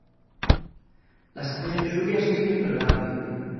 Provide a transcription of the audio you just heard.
La semeya que xubiesti ye pergrande.